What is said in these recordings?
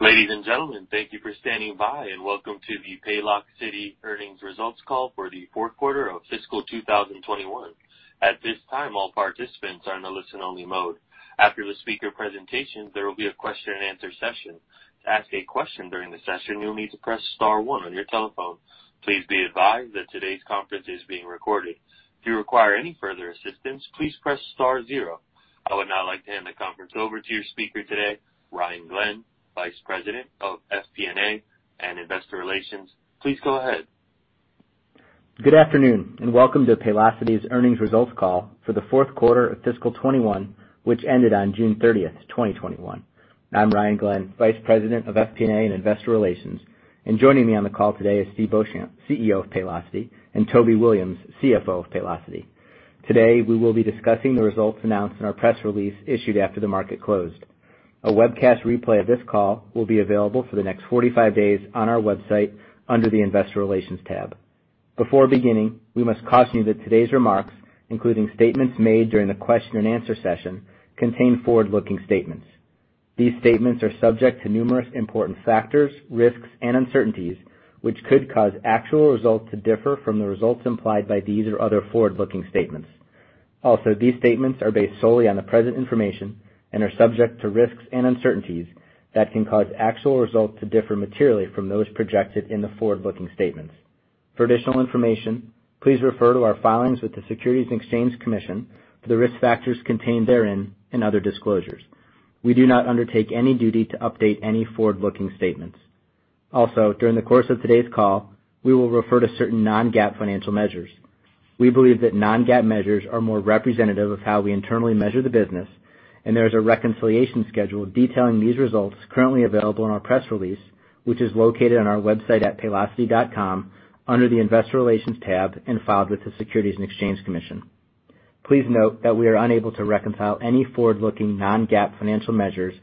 Ladies and gentlemen, thank you for standing by and welcome to the Paylocity earnings results call for the fourth quarter of fiscal 2021. At this time, all participants are in a listen-only mode. After the speaker presentation, there will be a question and answer session. To ask a question during the session, you'll need to press star one on your telephone. Please be advised that today's conference is being recorded. If you require any further assistance, please press star zero. I would now like to hand the conference over to your speaker today, Ryan Glenn, Vice President of FP&A and Investor Relations. Please go ahead. Good afternoon, and welcome to Paylocity's earnings results call for the fourth quarter of fiscal 2021, which ended on June 30th, 2021. I'm Ryan Glenn, Vice President of FP&A and Investor Relations. Joining me on the call today is Steve Beauchamp, CEO of Paylocity, and Toby Williams, CFO of Paylocity. Today, we will be discussing the results announced in our press release issued after the market closed. A webcast replay of this call will be available for the next 45 days on our website under the investor relations tab. Before beginning, we must caution you that today's remarks, including statements made during the question-and-answer session, contain forward-looking statements. These statements are subject to numerous important factors, risks, and uncertainties, which could cause actual results to differ from the results implied by these or other forward-looking statements. These statements are based solely on the present information and are subject to risks and uncertainties that can cause actual results to differ materially from those projected in the forward-looking statements. For additional information, please refer to our filings with the Securities and Exchange Commission for the risk factors contained therein and other disclosures. We do not undertake any duty to update any forward-looking statements. During the course of today's call, we will refer to certain non-GAAP financial measures. We believe that non-GAAP measures are more representative of how we internally measure the business, and there is a reconciliation schedule detailing these results currently available in our press release, which is located on our website at paylocity.com under the investor relations tab and filed with the Securities and Exchange Commission. Please note that we are unable to reconcile any forward-looking non-GAAP financial measures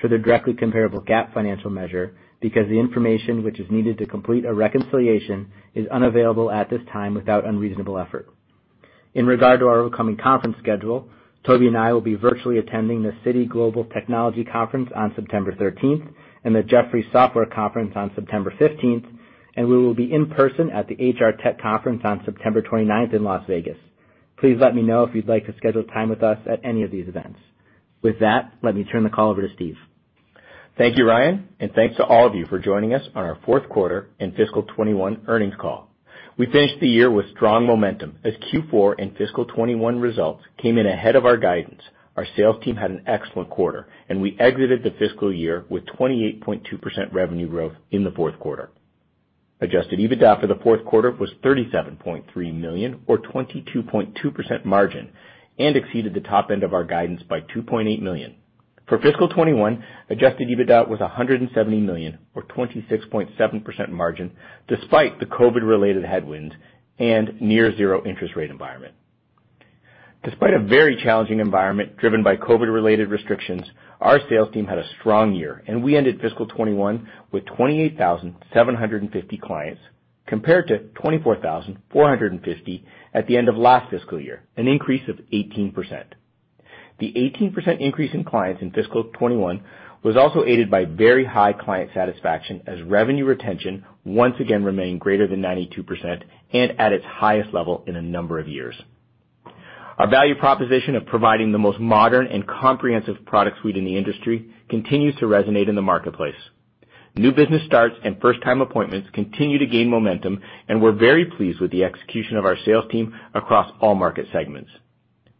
to their directly comparable GAAP financial measure because the information which is needed to complete a reconciliation is unavailable at this time without unreasonable effort. In regard to our upcoming conference schedule, Toby and I will be virtually attending the Citi Global Technology Conference on September 13th and the Jefferies Software Conference on September 15th, and we will be in person at the HR Tech Conference on September 29th in Las Vegas. Please let me know if you'd like to schedule time with us at any of these events. With that, let me turn the call over to Steve. Thank you, Ryan, thanks to all of you for joining us on our fourth quarter and fiscal 2021 earnings call. We finished the year with strong momentum as Q4 and fiscal 2021 results came in ahead of our guidance. Our sales team had an excellent quarter, we exited the fiscal year with 28.2% revenue growth in the fourth quarter. Adjusted EBITDA for the fourth quarter was $37.3 million, or 22.2% margin, exceeded the top end of our guidance by $2.8 million. For fiscal 2021, adjusted EBITDA was $170 million or 26.7% margin, despite the COVID-related headwinds and near zero interest rate environment. Despite a very challenging environment driven by COVID-related restrictions, our sales team had a strong year, we ended fiscal 2021 with 28,750 clients compared to 24,450 at the end of last fiscal year, an increase of 18%. The 18% increase in clients in fiscal 2021 was also aided by very high client satisfaction as revenue retention once again remained greater than 92% and at its highest level in a number of years. Our value proposition of providing the most modern and comprehensive product suite in the industry continues to resonate in the marketplace. New business starts and first-time appointments continue to gain momentum, and we're very pleased with the execution of our sales team across all market segments.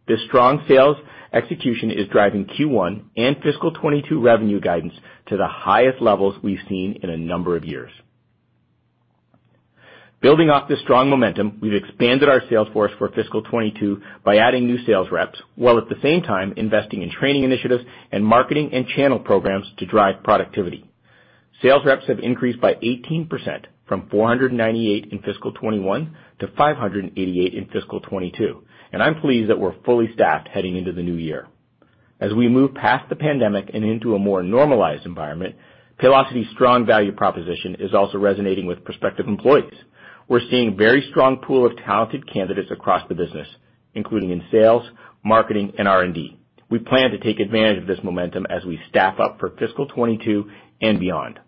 This strong sales execution is driving Q1 and fiscal 2022 revenue guidance to the highest levels we've seen in a number of years. Building off this strong momentum, we've expanded our sales force for fiscal 2022 by adding new sales reps, while at the same time investing in training initiatives and marketing and channel programs to drive productivity. Sales reps have increased by 18%, from 498 in fiscal 2021 to 588 in fiscal 2022, and I'm pleased that we're fully staffed heading into the new year. As we move past the pandemic and into a more normalized environment, Paylocity's strong value proposition is also resonating with prospective employees. We're seeing a very strong pool of talented candidates across the business, including in sales, marketing, and R&D. We plan to take advantage of this momentum as we staff up for fiscal 2022 and beyond.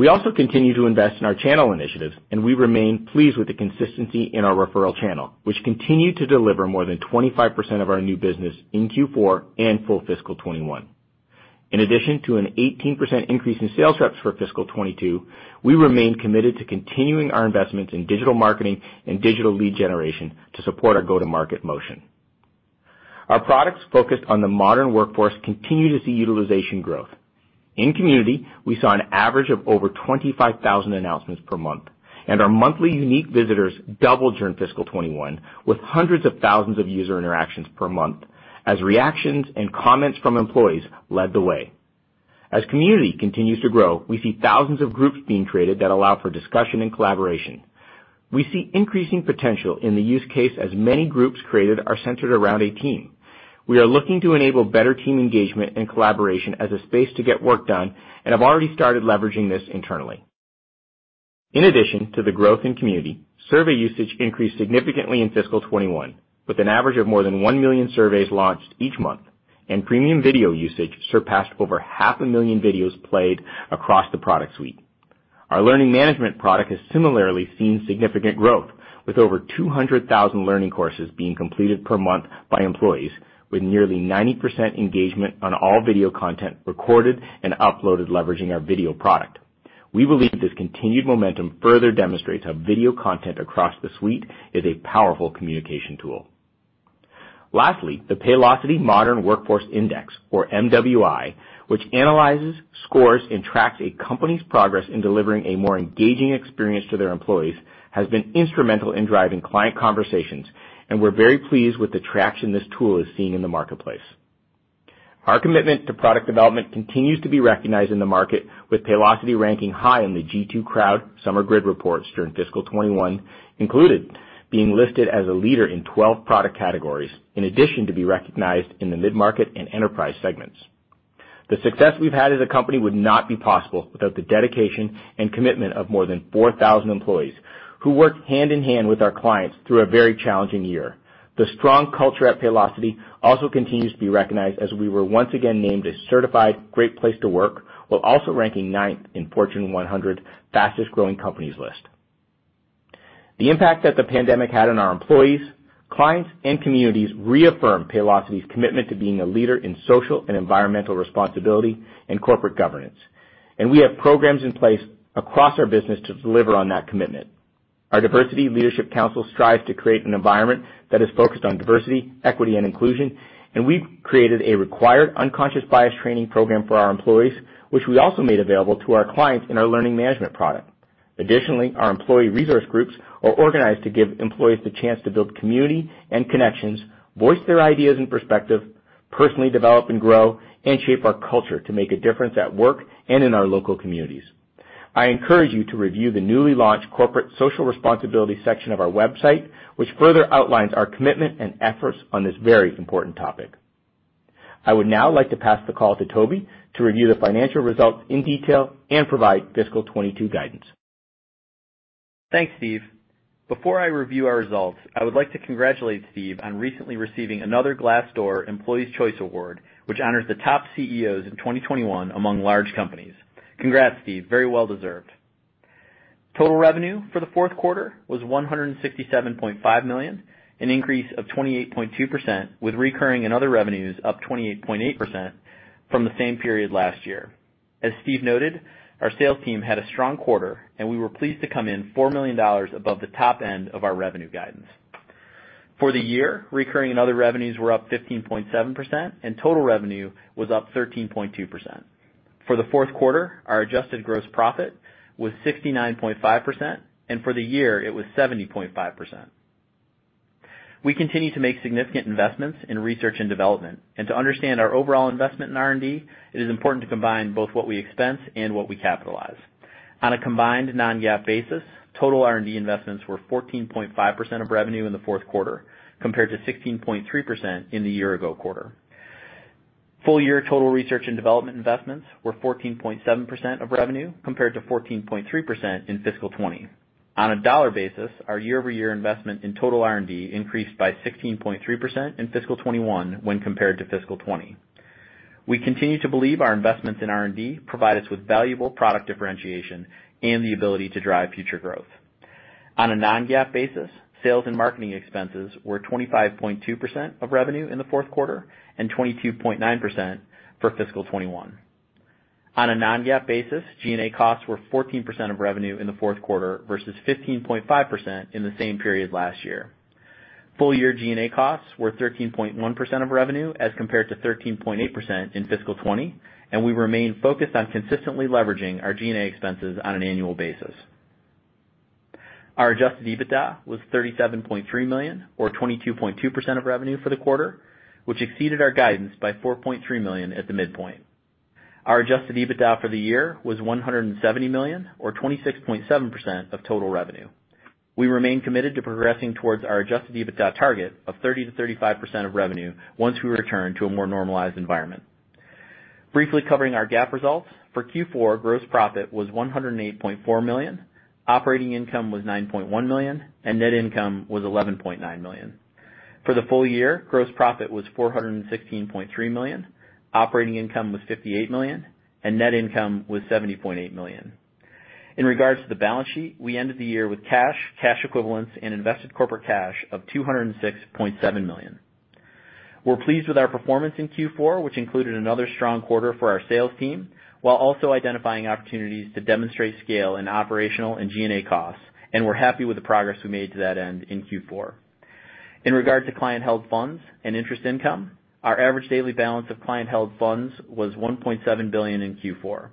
We also continue to invest in our channel initiatives, and we remain pleased with the consistency in our referral channel, which continued to deliver more than 25% of our new business in Q4 and full fiscal 2021. In addition to an 18% increase in sales reps for fiscal 2022, we remain committed to continuing our investments in digital marketing and digital lead generation to support our go-to-market motion. Our products focused on the modern workforce continue to see utilization growth. In Community, we saw an average of over 25,000 announcements per month, and our monthly unique visitors doubled during fiscal 2021 with hundreds of thousands of user interactions per month as reactions and comments from employees led the way. As Community continues to grow, we see thousands of groups being created that allow for discussion and collaboration. We see increasing potential in the use case as many groups created are centered around a team. We are looking to enable better team engagement and collaboration as a space to get work done and have already started leveraging this internally. In addition to the growth in Community, survey usage increased significantly in fiscal 2021, with an average of more than 1 million surveys launched each month, and Premium Video usage surpassed over 500,000 videos played across the product suite. Our learning management product has similarly seen significant growth, with over 200,000 learning courses being completed per month by employees, with nearly 90% engagement on all video content recorded and uploaded leveraging our Premium Video product. We believe this continued momentum further demonstrates how video content across the suite is a powerful communication tool. Lastly, the Paylocity Modern Workforce Index, or MWI, which analyzes, scores, and tracks a company's progress in delivering a more engaging experience to their employees, has been instrumental in driving client conversations, and we're very pleased with the traction this tool is seeing in the marketplace. Our commitment to product development continues to be recognized in the market, with Paylocity ranking high in the G2 Summer Grid Reports during fiscal 2021 included, being listed as a leader in 12 product categories, in addition to be recognized in the mid-market and enterprise segments. The success we've had as a company would not be possible without the dedication and commitment of more than 4,000 employees who work hand-in-hand with our clients through a very challenging year. The strong culture at Paylocity also continues to be recognized as we were once again named a certified great place to work, while also ranking ninth in Fortune 100 Fastest-Growing Companies list. The impact that the pandemic had on our employees, clients, and communities reaffirmed Paylocity's commitment to being a leader in social and environmental responsibility and corporate governance, and we have programs in place across our business to deliver on that commitment. Our Diversity Leadership Council strives to create an environment that is focused on diversity, equity, and inclusion, and we've created a required unconscious bias training program for our employees, which we also made available to our clients in our learning management product. Additionally, our employee resource groups are organized to give employees the chance to build community and connections, voice their ideas and perspective, personally develop and grow, and shape our culture to make a difference at work and in our local communities. I encourage you to review the newly launched corporate social responsibility section of our website, which further outlines our commitment and efforts on this very important topic. I would now like to pass the call to Toby to review the financial results in detail and provide fiscal 2022 guidance. Thanks, Steve. Before I review our results, I would like to congratulate Steve on recently receiving another Glassdoor Employees' Choice Award, which honors the top CEOs in 2021 among large companies. Congrats, Steve, very well deserved. Total revenue for the fourth quarter was $167.5 million, an increase of 28.2%, with recurring and other revenues up 28.8% from the same period last year. As Steve noted, our sales team had a strong quarter, and we were pleased to come in $4 million above the top end of our revenue guidance. For the year, recurring and other revenues were up 15.7%, and total revenue was up 13.2%. For the fourth quarter, our adjusted gross profit was 69.5%, and for the year, it was 70.5%. We continue to make significant investments in research and development, and to understand our overall investment in R&D, it is important to combine both what we expense and what we capitalize. On a combined non-GAAP basis, total R&D investments were 14.5% of revenue in the fourth quarter, compared to 16.3% in the year ago quarter. Full year total research and development investments were 14.7% of revenue, compared to 14.3% in fiscal 2020. On a dollar basis, our year-over-year investment in total R&D increased by 16.3% in fiscal 2021 when compared to fiscal 2020. We continue to believe our investments in R&D provide us with valuable product differentiation and the ability to drive future growth. On a non-GAAP basis, sales and marketing expenses were 25.2% of revenue in the fourth quarter and 22.9% for fiscal 2021. On a non-GAAP basis, G&A costs were 14% of revenue in the fourth quarter versus 15.5% in the same period last year. Full year G&A costs were 13.1% of revenue as compared to 13.8% in fiscal 2020, and we remain focused on consistently leveraging our G&A expenses on an annual basis. Our adjusted EBITDA was $37.3 million or 22.2% of revenue for the quarter, which exceeded our guidance by $4.3 million at the midpoint. Our adjusted EBITDA for the year was $170 million or 26.7% of total revenue. We remain committed to progressing towards our adjusted EBITDA target of 30%-35% of revenue once we return to a more normalized environment. Briefly covering our GAAP results. For Q4, gross profit was $108.4 million, operating income was $9.1 million, and net income was $11.9 million. For the full year, gross profit was $416.3 million, operating income was $58 million, and net income was $70.8 million. In regards to the balance sheet, we ended the year with cash equivalents, and invested corporate cash of $206.7 million. We're pleased with our performance in Q4, which included another strong quarter for our sales team, while also identifying opportunities to demonstrate scale in operational and G&A costs, and we're happy with the progress we made to that end in Q4. In regard to client-held funds and interest income, our average daily balance of client-held funds was $1.7 billion in Q4.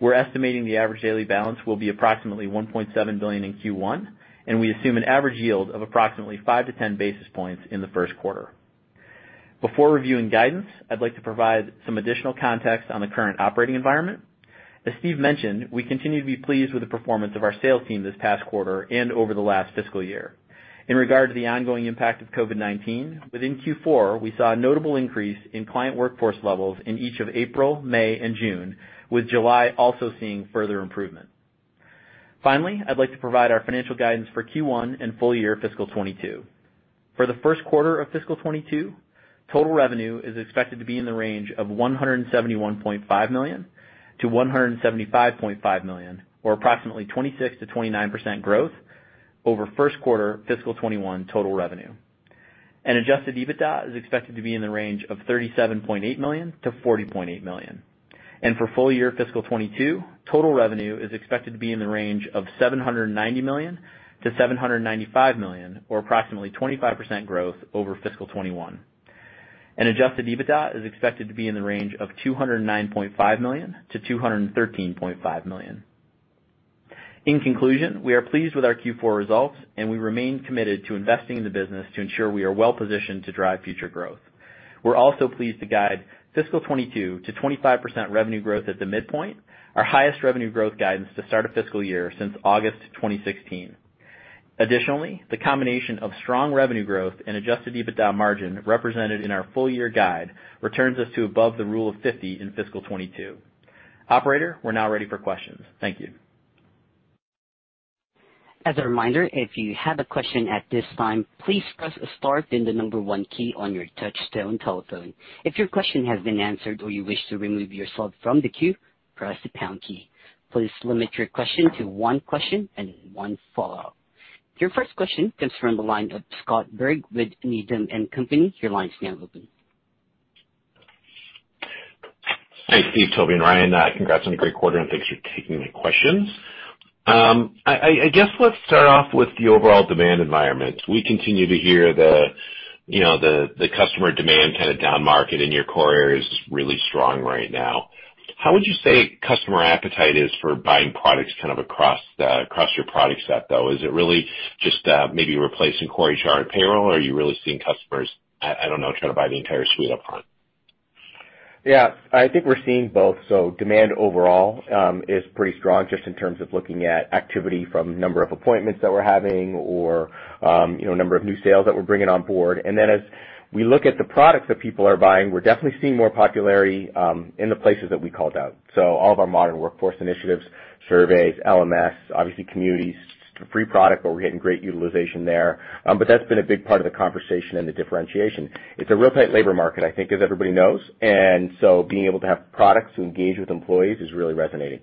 We're estimating the average daily balance will be approximately $1.7 billion in Q1, and we assume an average yield of approximately 5-10 basis points in the first quarter. Before reviewing guidance, I'd like to provide some additional context on the current operating environment. As Steve mentioned, we continue to be pleased with the performance of our sales team this past quarter and over the last fiscal year. In regard to the ongoing impact of COVID-19, within Q4, we saw a notable increase in client workforce levels in each of April, May, and June, with July also seeing further improvement. I'd like to provide our financial guidance for Q1 and full year fiscal 2022. For the first quarter of fiscal 2022, total revenue is expected to be in the range of $171.5 million-$175.5 million, or approximately 26%-29% growth over first quarter fiscal 2021 total revenue. Adjusted EBITDA is expected to be in the range of $37.8 million-$40.8 million. For full year fiscal 2022, total revenue is expected to be in the range of $790 million-$795 million, or approximately 25% growth over fiscal 2021. Adjusted EBITDA is expected to be in the range of $209.5 million-$213.5 million. In conclusion, we are pleased with our Q4 results, and we remain committed to investing in the business to ensure we are well-positioned to drive future growth. We're also pleased to guide fiscal 2022 to 25% revenue growth at the midpoint, our highest revenue growth guidance to start a fiscal year since August 2016. Additionally, the combination of strong revenue growth and adjusted EBITDA margin represented in our full year guide returns us to above the Rule of 50 in fiscal 2022. Operator, we're now ready for questions. Thank you. As a reminder, if you have a question at this time, please press the star and the number one key on your touchtone telephone. If your question has been answered or you wish to remove yourself from the queue, press the pound key. Please limit your question to one question and one follow-up. Your first question comes from the line of Scott Berg with Needham & Company. Your line is now open. Thanks, Steve, Toby, and Ryan. Congrats on a great quarter, and thanks for taking the questions. I guess let's start off with the overall demand environment. We continue to hear the customer demand down market in your core areas is really strong right now. How would you say customer appetite is for buying products across your product set, though? Is it really just maybe replacing core HR and payroll, or are you really seeing customers, I don't know, try to buy the entire suite upfront? Yeah, I think we're seeing both. Demand overall is pretty strong, just in terms of looking at activity from number of appointments that we're having or number of new sales that we're bringing on board. As we look at the products that people are buying, we're definitely seeing more popularity in the places that we called out. All of our modern workforce initiatives, surveys, LMS, obviously Community, it's a free product, but we're getting great utilization there. That's been a big part of the conversation and the differentiation. It's a real tight labor market, I think, as everybody knows. Being able to have products to engage with employees is really resonating.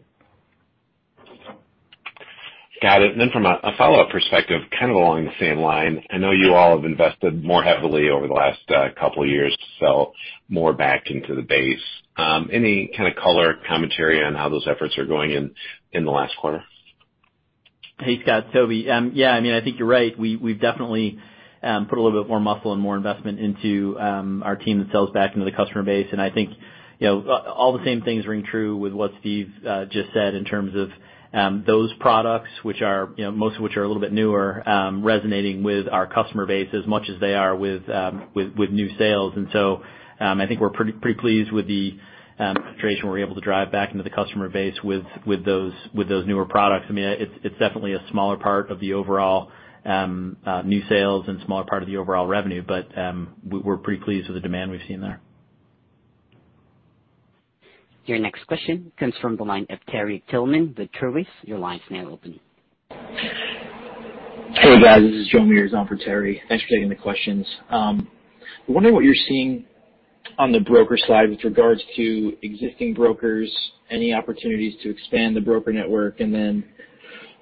Got it. From a follow-up perspective, along the same line, I know you all have invested more heavily over the last couple years to sell more back into the base. Any kind of color commentary on how those efforts are going in the last quarter? Hey, Scott. Toby. Yeah, I think you're right. We've definitely put a little bit more muscle and more investment into our team that sells back into the customer base. I think all the same things ring true with what Steve just said in terms of those products, most of which are a little bit newer, resonating with our customer base as much as they are with new sales. I think we're pretty pleased with the penetration we're able to drive back into the customer base with those newer products. It's definitely a smaller part of the overall new sales and smaller part of the overall revenue, but we're pretty pleased with the demand we've seen there. Your next question comes from the line of Terry Tillman with Truist. Your line is now open. Hey, guys, this is Joe Meares for Terry. Thanks for taking the questions. I'm wondering what you're seeing on the broker side with regards to existing brokers, any opportunities to expand the broker network? Then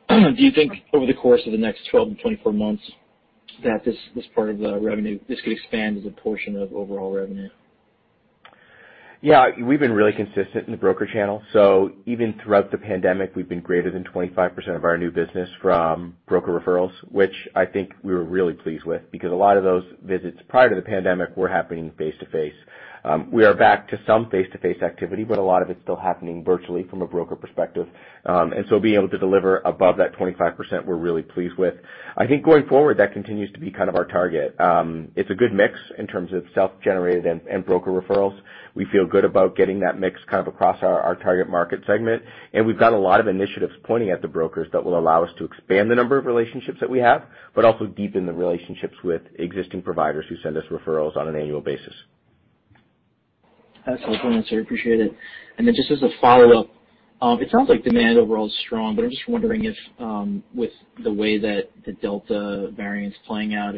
do you think over the course of the next 12-24 months that this part of the revenue could expand as a portion of overall revenue? Yeah. We've been really consistent in the broker channel. Even throughout the pandemic, we've been greater than 25% of our new business from broker referrals, which I think we were really pleased with because a lot of those visits prior to the pandemic were happening face-to-face. We are back to some face-to-face activity, but a lot of it is still happening virtually from a broker perspective. Being able to deliver above that 25%, we're really pleased with. I think going forward, that continues to be our target. It's a good mix in terms of self-generated and broker referrals. We feel good about getting that mix across our target market segment, and we've got a lot of initiatives pointing at the brokers that will allow us to expand the number of relationships that we have, but also deepen the relationships with existing providers who send us referrals on an annual basis. That's helpful. I appreciate it. Just as a follow-up, it sounds like demand overall is strong, but I'm just wondering if with the way that the Delta variant is playing out,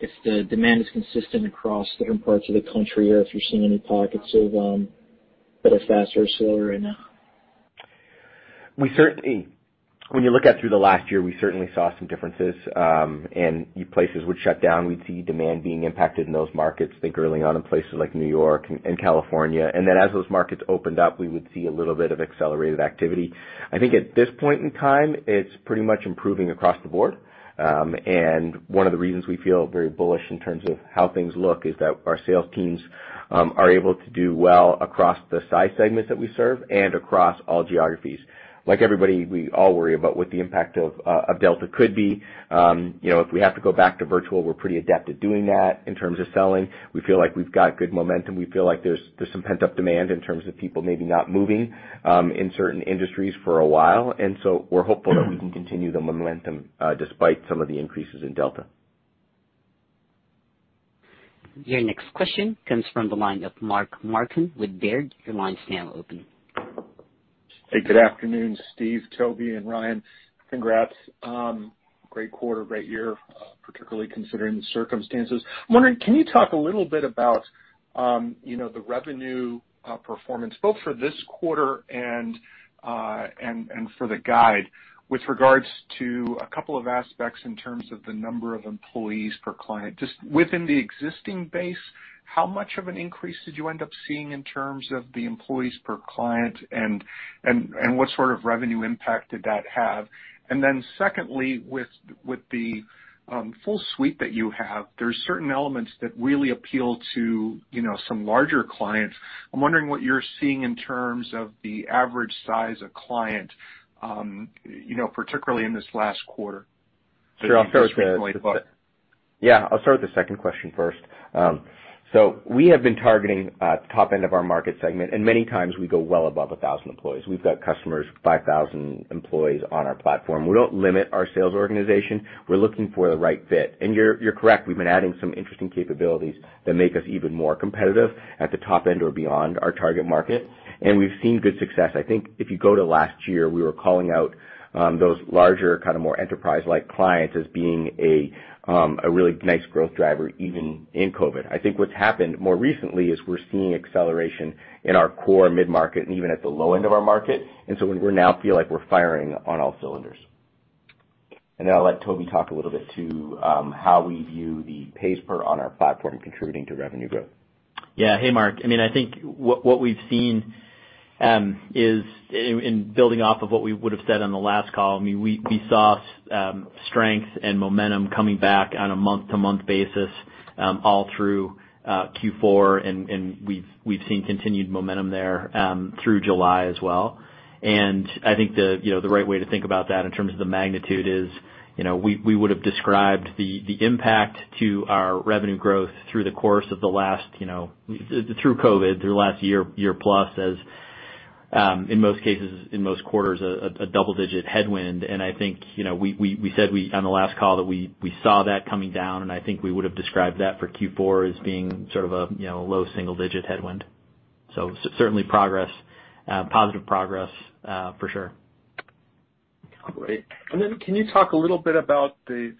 if the demand is consistent across different parts of the country, or if you're seeing any pockets that are faster or slower right now. When you look at through the last year, we certainly saw some differences, and places would shut down. We'd see demand being impacted in those markets, I think early on in places like New York and California. As those markets opened up, we would see a little bit of accelerated activity. I think at this point in time, it's pretty much improving across the board. One of the reasons we feel very bullish in terms of how things look is that our sales teams are able to do well across the size segments that we serve and across all geographies. Like everybody, we all worry about what the impact of Delta could be. If we have to go back to virtual, we're pretty adept at doing that in terms of selling. We feel like we've got good momentum. We feel like there's some pent-up demand in terms of people maybe not moving in certain industries for a while. We're hopeful that we can continue the momentum despite some of the increases in Delta. Your next question comes from the line of Mark Marcon with Baird. Your line is now open. Hey, good afternoon, Steve, Toby, and Ryan. Congrats. Great quarter, great year, particularly considering the circumstances. I'm wondering, can you talk a little bit about the revenue performance, both for this quarter and for the guide with regards to a couple of aspects in terms of the number of employees per client. Just within the existing base, how much of an increase did you end up seeing in terms of the employees per client and what sort of revenue impact did that have? Secondly, with the full suite that you have, there's certain elements that really appeal to some larger clients. I'm wondering what you're seeing in terms of the average size of client, particularly in this last quarter. Sure. I'll start with the second question first. We have been targeting the top end of our market segment, and many times we go well above 1,000 employees. We've got customers with 5,000 employees on our platform. We don't limit our sales organization. We're looking for the right fit. You're correct. We've been adding some interesting capabilities that make us even more competitive at the top end or beyond our target market, and we've seen good success. I think if you go to last year, we were calling out those larger, more enterprise-like clients as being a really nice growth driver even in COVID. I think what's happened more recently is we're seeing acceleration in our core mid-market and even at the low end of our market. We now feel like we're firing on all cylinders. I'll let Toby talk a little bit to how we view the pays per on our platform contributing to revenue growth. Yeah. Hey, Mark. I think what we've seen is, in building off of what we would have said on the last call, we saw strength and momentum coming back on a month-to-month basis all through Q4, and we've seen continued momentum there through July as well. I think the right way to think about that in terms of the magnitude is we would've described the impact to our revenue growth through COVID, through last year-plus, as in most cases, in most quarters, a double-digit headwind. I think we said on the last call that we saw that coming down, and I think we would've described that for Q4 as being sort of a low single-digit headwind. So certainly progress, positive progress for sure. Great. Then can you talk a little bit about the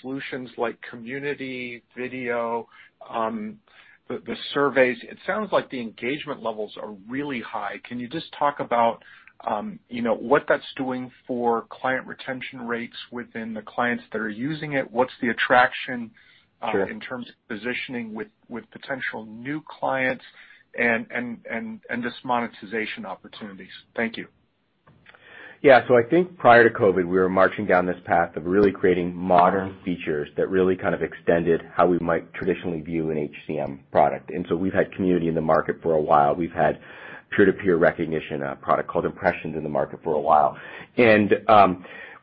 solutions like Community video, the surveys? It sounds like the engagement levels are really high. Can you just talk about what that's doing for client retention rates within the clients that are using it? What's the attraction? Sure in terms of positioning with potential new clients and just monetization opportunities? Thank you. Yeah. I think prior to COVID, we were marching down this path of really creating modern features that really kind of extended how we might traditionally view an HCM product. We've had Community in the market for a while. We've had peer-to-peer recognition, a product called Impressions, in the market for a while.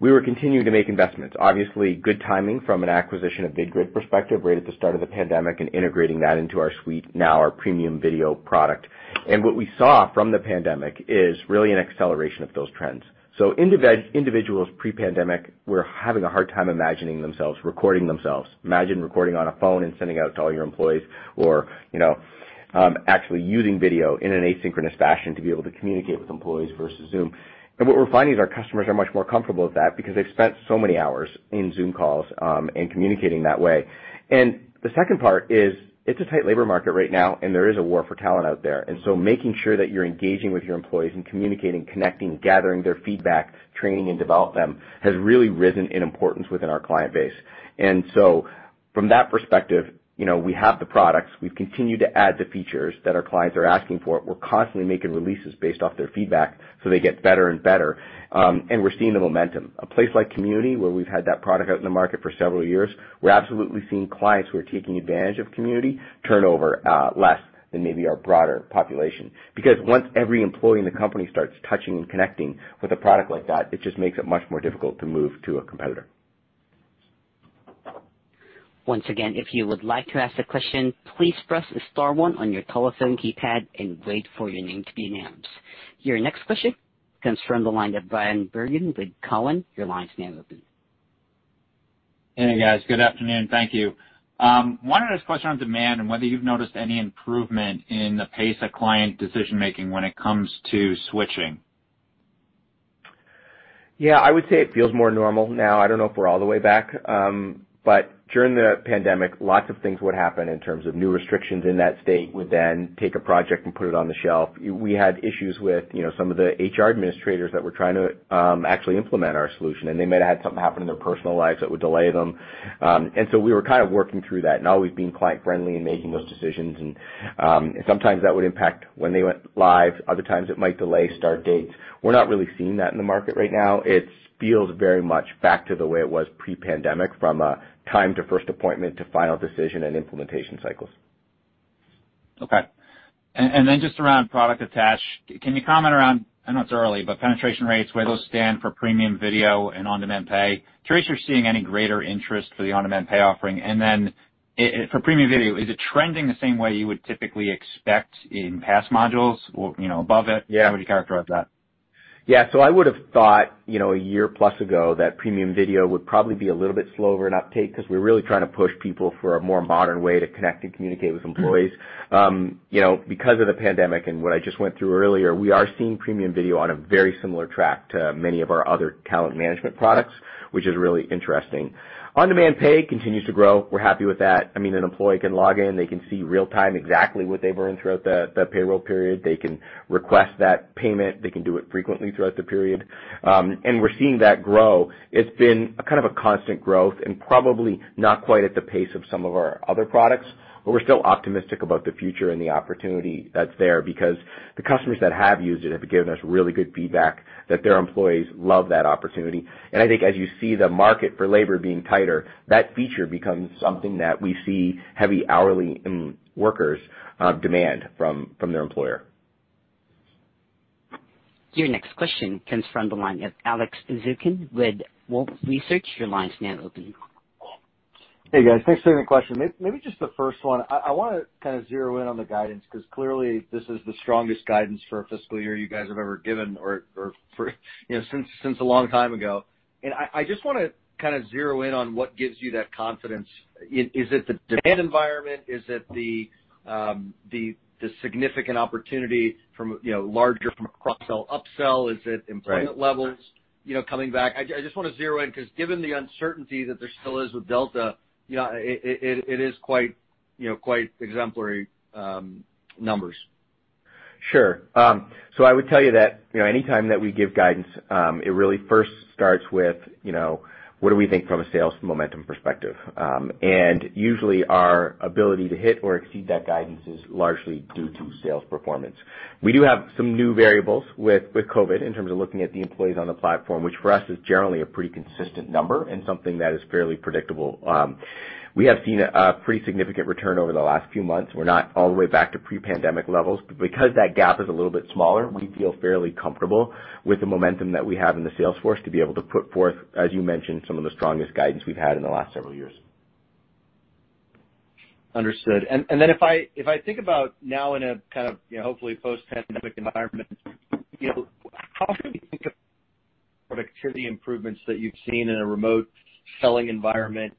We were continuing to make investments. Obviously, good timing from an acquisition of VidGrid perspective, right at the start of the pandemic, and integrating that into our suite, now our Premium Video product. What we saw from the pandemic is really an acceleration of those trends. Individuals pre-pandemic were having a hard time imagining themselves recording themselves. Imagine recording on a phone and sending it out to all your employees, or actually using video in an asynchronous fashion to be able to communicate with employees versus Zoom. What we're finding is our customers are much more comfortable with that because they've spent so many hours in Zoom calls and communicating that way. The second part is it's a tight labor market right now, and there is a war for talent out there. Making sure that you're engaging with your employees and communicating, connecting, gathering their feedback, training, and develop them, has really risen in importance within our client base. From that perspective, we have the products. We've continued to add the features that our clients are asking for. We're constantly making releases based off their feedback so they get better and better, and we're seeing the momentum. A place like Community, where we've had that product out in the market for several years, we're absolutely seeing clients who are taking advantage of Community turnover less than maybe our broader population. Once every employee in the company starts touching and connecting with a product like that, it just makes it much more difficult to move to a competitor. Once again, if you would like to ask a question, please press star one on your telephone keypad and wait for your name to be announced. Your next question comes from the line of Bryan Bergin with Cowen. Hey, guys. Good afternoon. Thank you. I wanted to ask a question on demand and whether you've noticed any improvement in the pace of client decision-making when it comes to switching. Yeah. I would say it feels more normal now. I don't know if we're all the way back. During the pandemic, lots of things would happen in terms of new restrictions in that state. We take a project and put it on the shelf. We had issues with some of the HR administrators that were trying to actually implement our solution, and they might have had something happen in their personal lives that would delay them. We were kind of working through that and always being client-friendly and making those decisions, and sometimes that would impact when they went live. Other times, it might delay start dates. We're not really seeing that in the market right now. It feels very much back to the way it was pre-pandemic from a time to first appointment to final decision and implementation cycles. Okay. Just around product attach, can you comment around, I know it's early, but penetration rates, where those stand for Premium Video and on-demand pay? To the extent you're seeing any greater interest for the on-demand pay offering. For Premium Video, is it trending the same way you would typically expect in past modules or above it? Yeah. How would you characterize that? I would've thought a year plus ago that Premium Video would probably be a little bit slower in uptake because we're really trying to push people for a more modern way to connect and communicate with employees. Because of the pandemic and what I just went through earlier, we are seeing Premium Video on a very similar track to many of our other talent management products, which is really interesting. on-demand pay continues to grow. We're happy with that. An employee can log in, they can see real-time exactly what they've earned throughout the payroll period. They can request that payment. They can do it frequently throughout the period. We're seeing that grow. It's been a kind of a constant growth and probably not quite at the pace of some of our other products, but we're still optimistic about the future and the opportunity that's there because the customers that have used it have given us really good feedback that their employees love that opportunity. I think as you see the market for labor being tighter, that feature becomes something that we see heavy hourly workers demand from their employer. Your next question comes from the line of Alex Zukin with Wolfe Research. Your line's now open. Hey, guys. Thanks for taking the question. Maybe just the first one. I want to kind of zero in on the guidance, because clearly this is the strongest guidance for a fiscal year you guys have ever given or since a long time ago. I just want to kind of zero in on what gives you that confidence. Is it the demand environment? Is it the significant opportunity from larger from a cross-sell, up-sell? Is it employment levels coming back? I just want to zero in, because given the uncertainty that there still is with Delta, it is quite exemplary numbers. Sure. I would tell you that anytime that we give guidance, it really first starts with what do we think from a sales momentum perspective. Usually our ability to hit or exceed that guidance is largely due to sales performance. We do have some new variables with COVID in terms of looking at the employees on the platform, which for us is generally a pretty consistent number and something that is fairly predictable. We have seen a pretty significant return over the last few months. We're not all the way back to pre-pandemic levels, but because that gap is a little bit smaller, we feel fairly comfortable with the momentum that we have in the sales force to be able to put forth, as you mentioned, some of the strongest guidance we've had in the last several years. Understood. Then if I think about now in a kind of hopefully post-pandemic environment, how can we think of productivity improvements that you've seen in a remote selling environment?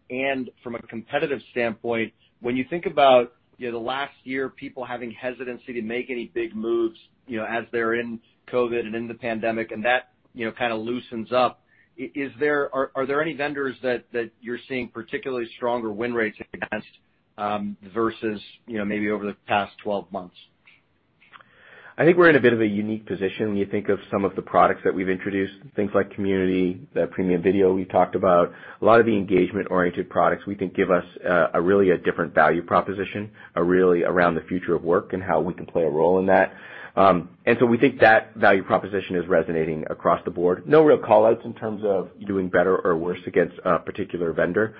From a competitive standpoint, when you think about the last year, people having hesitancy to make any big moves as they're in COVID and in the pandemic, and that kind of loosens up, are there any vendors that you're seeing particularly stronger win rates against versus maybe over the past 12 months? I think we're in a bit of a unique position when you think of some of the products that we've introduced, things like Community, the Premium Video we talked about. A lot of the engagement-oriented products we think give us really a different value proposition, really around the future of work and how we can play a role in that. We think that value proposition is resonating across the board. No real call-outs in terms of doing better or worse against a particular vendor.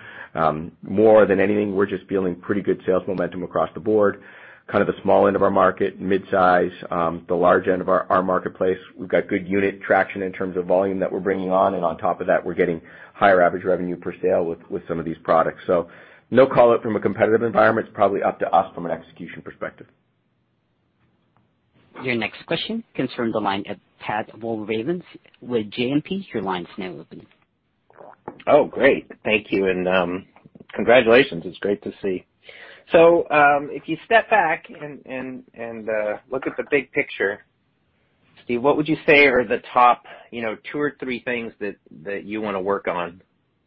More than anything, we're just feeling pretty good sales momentum across the board. Kind of the small end of our market, mid-size, the large end of our marketplace. We've got good unit traction in terms of volume that we're bringing on, and on top of that, we're getting higher average revenue per sale with some of these products. No call-out from a competitive environment. It's probably up to us from an execution perspective. Your next question comes from the line of Pat Walravens with JMP. Great. Thank you, and congratulations. It's great to see. If you step back and look at the big picture, Steve, what would you say are the top two or three things that you want to work on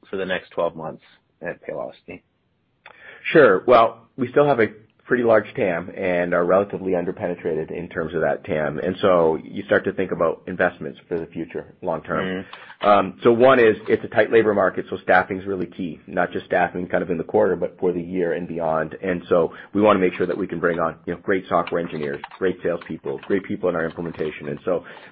for the next 12 months at Paylocity? Sure. Well, we still have a pretty large TAM and are relatively under-penetrated in terms of that TAM. You start to think about investments for the future long term. One is it's a tight labor market, so staffing's really key, not just staffing kind of in the quarter, but for the year and beyond. We want to make sure that we can bring on great software engineers, great salespeople, great people in our implementation.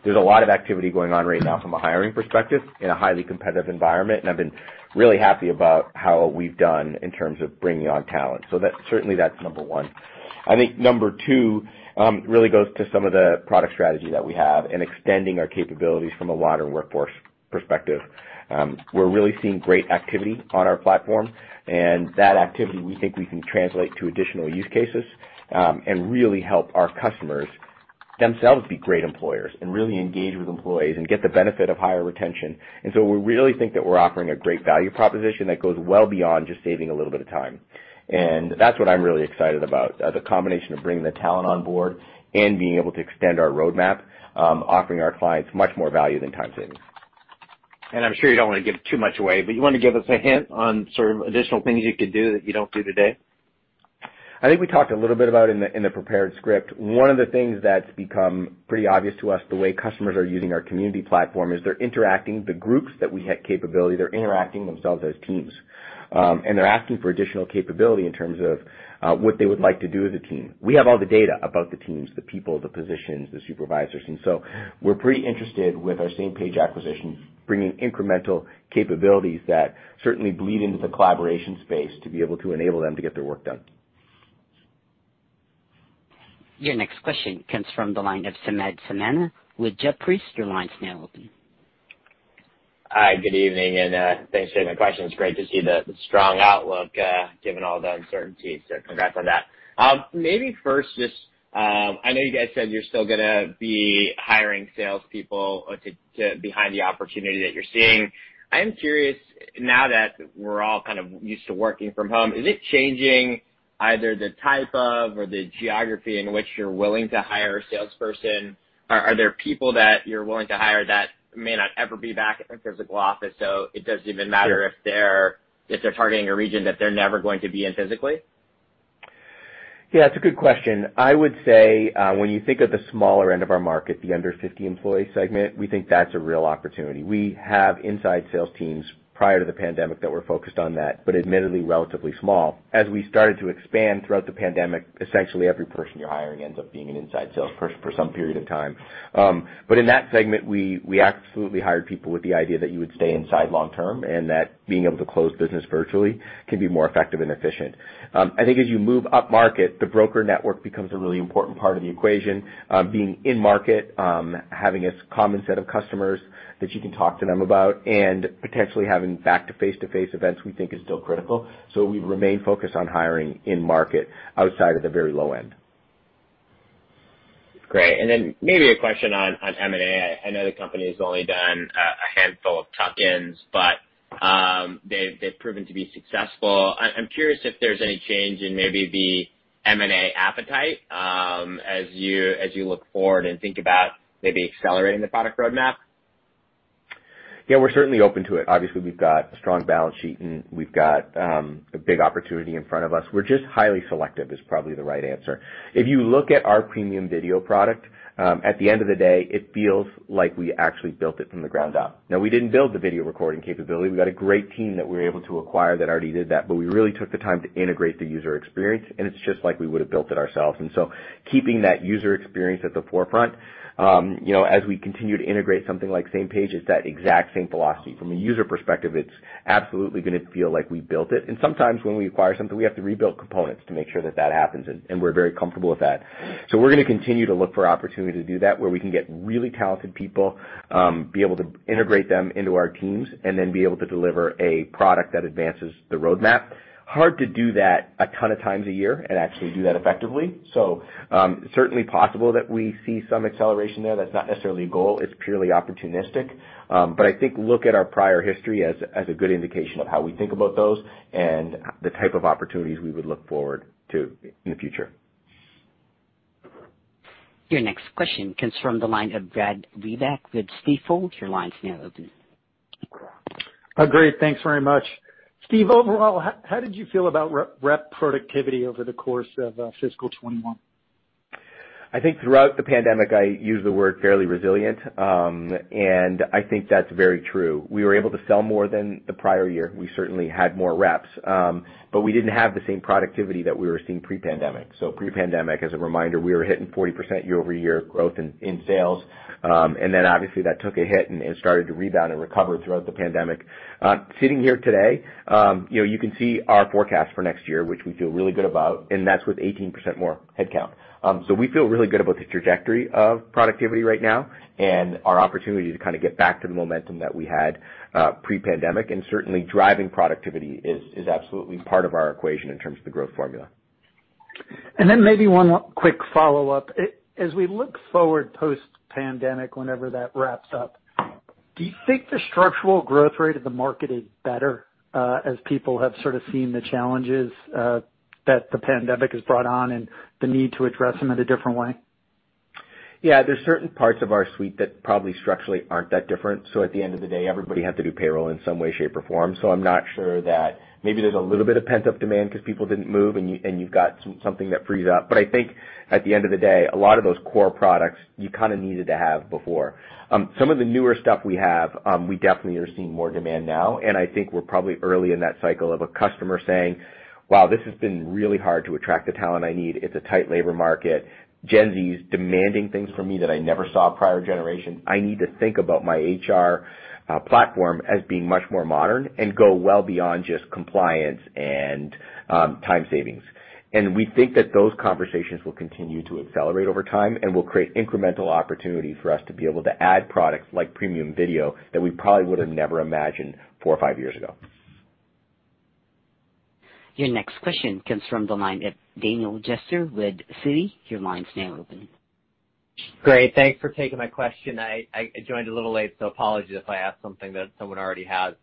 There's a lot of activity going on right now from a hiring perspective in a highly competitive environment, and I've been really happy about how we've done in terms of bringing on talent. Certainly that's number one. I think number two really goes to some of the product strategy that we have and extending our capabilities from a modern workforce perspective. We're really seeing great activity on our platform, and that activity we think we can translate to additional use cases, and really help our customers themselves be great employers and really engage with employees and get the benefit of higher retention. We really think that we're offering a great value proposition that goes well beyond just saving a little bit of time. That's what I'm really excited about, the combination of bringing the talent on board and being able to extend our roadmap, offering our clients much more value than time savings. I'm sure you don't want to give too much away, but you want to give us a hint on sort of additional things you could do that you don't do today? I think we talked a little bit about in the prepared script. One of the things that's become pretty obvious to us, the way customers are using our Community platform, is they're interacting the groups that we had capability. They're interacting themselves as teams. They're asking for additional capability in terms of what they would like to do as a team. We have all the data about the teams, the people, the positions, the supervisors, and so we're pretty interested with our Samepage acquisition, bringing incremental capabilities that certainly bleed into the collaboration space to be able to enable them to get their work done. Your next question comes from the line of Samad Samana with Jefferies. Your line's now open. Hi, good evening, and thanks for taking my question. It's great to see the strong outlook given all the uncertainties. Congrats on that. Maybe first, I know you guys said you're still gonna be hiring salespeople to behind the opportunity that you're seeing. I am curious, now that we're all kind of used to working from home, is it changing either the type of or the geography in which you're willing to hire a salesperson? Are there people that you're willing to hire that may not ever be back at the physical office? It doesn't even matter if they're targeting a region that they're never going to be in physically? Yeah, it's a good question. I would say, when you think of the smaller end of our market, the under 50 employee segment, we think that's a real opportunity. We have inside sales teams prior to the pandemic that were focused on that, but admittedly relatively small. As we started to expand throughout the pandemic, essentially every person you're hiring ends up being an inside salesperson for some period of time. In that segment, we absolutely hired people with the idea that you would stay inside long term, and that being able to close business virtually can be more effective and efficient. I think as you move upmarket, the broker network becomes a really important part of the equation. Being in-market, having a common set of customers that you can talk to them about, and potentially having back to face-to-face events, we think is still critical. We remain focused on hiring in market outside of the very low end. Great. Maybe a question on M&A. I know the company's only done a handful of tuck-ins, but they've proven to be successful. I'm curious if there's any change in maybe the M&A appetite as you look forward and think about maybe accelerating the product roadmap. Yeah, we're certainly open to it. Obviously, we've got a strong balance sheet, and we've got a big opportunity in front of us. We're just highly selective is probably the right answer. If you look at our Premium Video product, at the end of the day, it feels like we actually built it from the ground up. Now, we didn't build the video recording capability. We got a great team that we were able to acquire that already did that, but we really took the time to integrate the user experience, and it's just like we would've built it ourselves. Keeping that user experience at the forefront as we continue to integrate something like Samepage is that exact same philosophy. From a user perspective, it's absolutely going to feel like we built it. Sometimes when we acquire something, we have to rebuild components to make sure that that happens, and we're very comfortable with that. We're going to continue to look for opportunity to do that, where we can get really talented people, be able to integrate them into our teams, and then be able to deliver a product that advances the roadmap. Hard to do that a ton of times a year and actually do that effectively. Certainly possible that we see some acceleration there. That's not necessarily a goal. It's purely opportunistic. I think look at our prior history as a good indication of how we think about those and the type of opportunities we would look forward to in the future. Your next question comes from the line of Brad Reback with Stifel. Your line's now open. Great. Thanks very much. Steve, overall, how did you feel about rep productivity over the course of fiscal 2021? I think throughout the pandemic, I used the word fairly resilient, and I think that's very true. We were able to sell more than the prior year. We certainly had more reps. We didn't have the same productivity that we were seeing pre-pandemic. Pre-pandemic, as a reminder, we were hitting 40% year-over-year growth in sales. Obviously that took a hit and started to rebound and recover throughout the pandemic. Sitting here today, you can see our forecast for next year, which we feel really good about, and that's with 18% more headcount. We feel really good about the trajectory of productivity right now and our opportunity to kind of get back to the momentum that we had pre-pandemic. Certainly driving productivity is absolutely part of our equation in terms of the growth formula. Maybe one quick follow-up. As we look forward post-pandemic, whenever that wraps up, do you think the structural growth rate of the market is better as people have sort of seen the challenges that the pandemic has brought on and the need to address them in a different way? Yeah. There's certain parts of our suite that probably structurally aren't that different. At the end of the day, everybody had to do payroll in some way, shape, or form. I'm not sure that maybe there's a little bit of pent-up demand because people didn't move and you've got something that frees up. I think at the end of the day, a lot of those core products you kind of needed to have before. Some of the newer stuff we have, we definitely are seeing more demand now, and I think we're probably early in that cycle of a customer saying, "Wow, this has been really hard to attract the talent I need. It's a tight labor market. Gen Z is demanding things from me that I never saw prior generation. I need to think about my HR platform as being much more modern and go well beyond just compliance and time savings. We think that those conversations will continue to accelerate over time and will create incremental opportunity for us to be able to add products like Premium Video that we probably would have never imagined four or five years ago. Your next question comes from the line of Daniel Jester with Citi. Your line's now open. Great. Thanks for taking my question. I joined a little late, so apologies if I ask something that someone already has.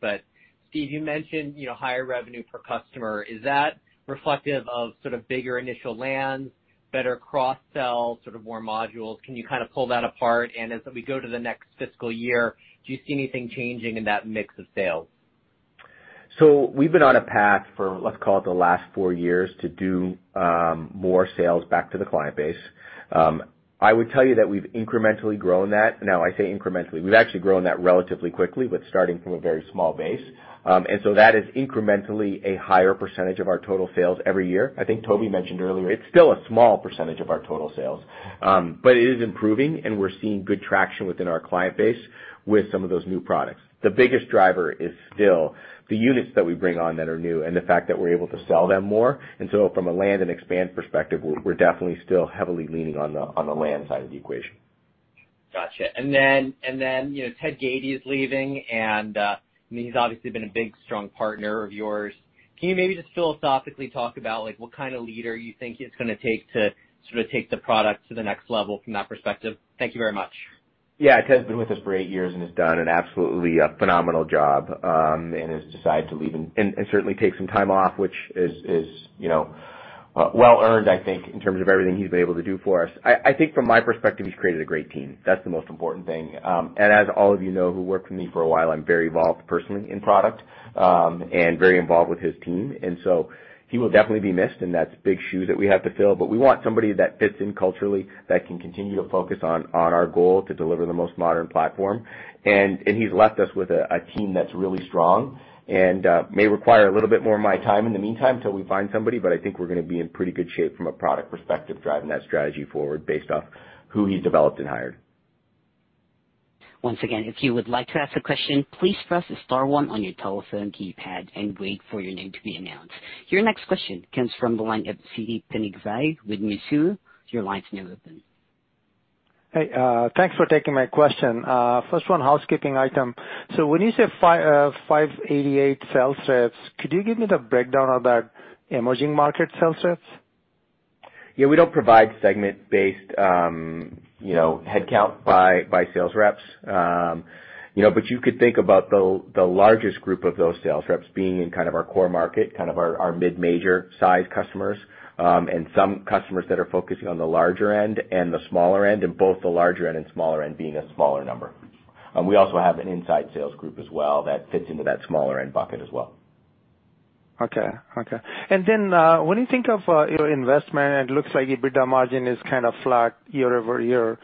Steve, you mentioned higher revenue per customer. Is that reflective of sort of bigger initial lands, better cross-sell, sort of more modules? Can you kind of pull that apart? As we go to the next fiscal year, do you see anything changing in that mix of sales? We've been on a path for, let's call it the last four years, to do more sales back to the client base. I would tell you that we've incrementally grown that. Now, I say incrementally. We've actually grown that relatively quickly, but starting from a very small base. That is incrementally a higher percentage of our total sales every year. I think Toby mentioned earlier, it's still a small percentage of our total sales. It is improving, and we're seeing good traction within our client base with some of those new products. The biggest driver is still the units that we bring on that are new, and the fact that we're able to sell them more. From a land and expand perspective, we're definitely still heavily leaning on the land side of the equation. Got you. Then, Ted Gaty is leaving, and he's obviously been a big, strong partner of yours. Can you maybe just philosophically talk about what kind of leader you think it's going to take to take the product to the next level from that perspective? Thank you very much. Yeah. Ted Gaty's been with us for eight years and has done an absolutely phenomenal job, and has decided to leave and certainly take some time off, which is well earned, I think, in terms of everything he's been able to do for us. I think from my perspective, he's created a great team. That's the most important thing. As all of you know who worked with me for a while, I'm very involved personally in product, and very involved with his team. He will definitely be missed, and that's big shoe that we have to fill, but we want somebody that fits in culturally that can continue to focus on our goal to deliver the most modern platform. He's left us with a team that's really strong and may require a little bit more of my time in the meantime till we find somebody, but I think we're going to be in pretty good shape from a product perspective, driving that strategy forward based off who he developed and hired. Once again, if you would like to ask a question, please press star one on your telephone keypad and wait for your name to be announced. Your next question comes from the line of Siti Panigrahi with Mizuho. Your line is now open. Hey, thanks for taking my question. First one, housekeeping item. When you say 588 sales reps, could you give me the breakdown of that emerging market sales reps? Yeah. We don't provide segment-based headcount by sales reps. You could think about the largest group of those sales reps being in kind of our core market, kind of our mid-major size customers, and some customers that are focusing on the larger end and the smaller end, and both the larger end and smaller end being a smaller number. We also have an inside sales group as well that fits into that smaller end bucket as well. Okay. When you think of your investment, and it looks like EBITDA margin is kind of flat year-over-year.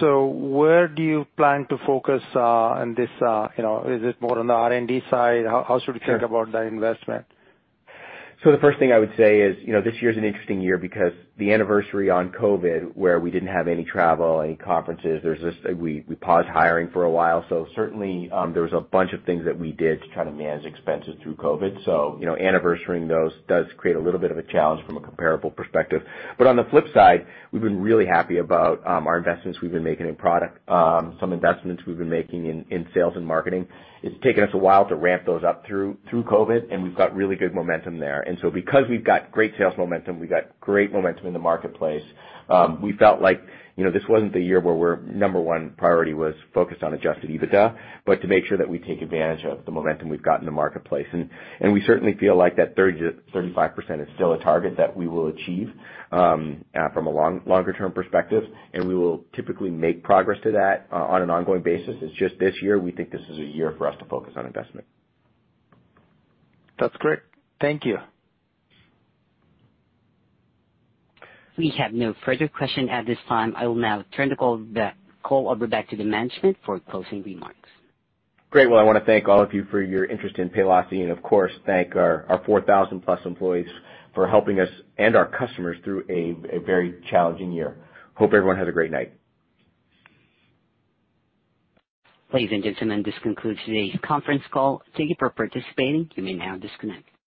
Where do you plan to focus on this? Is this more on the R&D side? How should we think about that investment? The first thing I would say is, this year is an interesting year because the anniversary on COVID, where we didn't have any travel, any conferences. We paused hiring for a while. Certainly, there was a bunch of things that we did to try to manage expenses through COVID. Anniversarying those does create a little bit of a challenge from a comparable perspective. On the flip side, we've been really happy about our investments we've been making in product, some investments we've been making in sales and marketing. It's taken us a while to ramp those up through COVID, and we've got really good momentum there. Because we've got great sales momentum, we got great momentum in the marketplace, we felt like this wasn't the year where we're number one priority was focused on adjusted EBITDA, but to make sure that we take advantage of the momentum we've got in the marketplace. We certainly feel like that 30%-35% is still a target that we will achieve from a longer term perspective, and we will typically make progress to that on an ongoing basis. It's just this year, we think this is a year for us to focus on investment. That's great. Thank you. We have no further question at this time. I will now turn the call over back to the management for closing remarks. Great. Well, I want to thank all of you for your interest in Paylocity, and of course, thank our 4,000+ employees for helping us and our customers through a very challenging year. Hope everyone has a great night. Ladies and gentlemen, this concludes today's conference call. Thank you for participating. You may now disconnect.